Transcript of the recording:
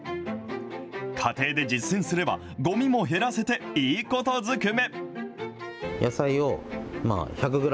家庭で実践すれば、ごみも減らせて、いいことずくめ。